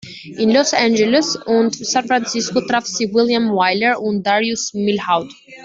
In Los Angeles und San Francisco traf sie William Wyler und Darius Milhaud.